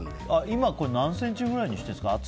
今、何センチぐらいにしているんですか？